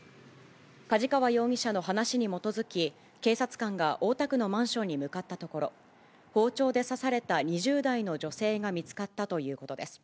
梶川容疑者の話に基づき、警察官が大田区のマンションに向かったところ、包丁で刺された２０代の女性が見つかったということです。